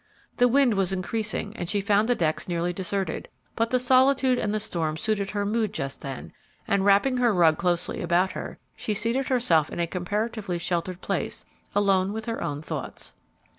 The wind was increasing and she found the decks nearly deserted, but the solitude and the storm suited her mood just then, and, wrapping her rug closely about her, she seated herself in a comparatively sheltered place, alone with her own thoughts.